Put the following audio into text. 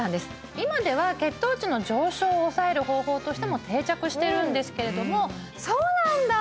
今では血糖値の上昇を抑える方法としても定着してるんですけれどもそうなんだ！